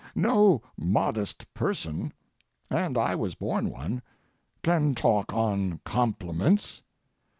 No modest person, and I was born one, can talk on compliments.